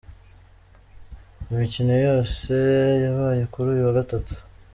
Imikino yose yabaye kuri uyu wa Gatatu:.